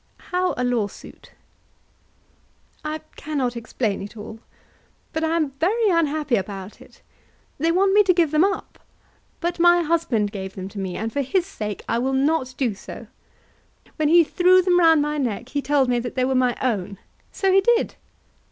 "How a lawsuit?" "I cannot explain it all, but I am very unhappy about it. They want me to give them up; but my husband gave them to me, and for his sake I will not do so. When he threw them round my neck he told me that they were my own; so he did.